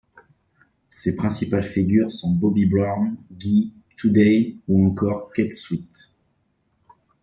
Ses principales figures sont Bobby Brown, Guy, Today ou encore Keith Sweat.